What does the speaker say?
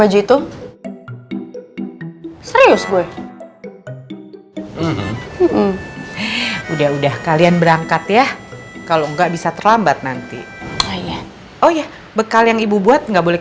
justru keliatan lucu buat gue